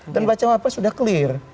dan baca press sudah clear